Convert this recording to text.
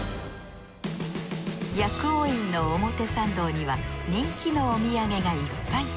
薬王院の表参道には人気のお土産がいっぱい。